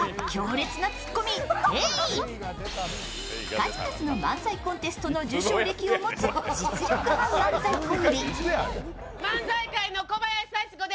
数々の漫才コンテストの受賞歴を持つ実力派漫才コンビ。